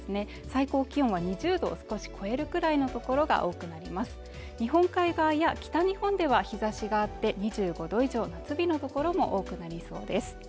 最高気温は２０度を少し超えるくらいの所が多くなります日本海側や北日本では日差しがあって２５度以上夏日の所も多くなりそうです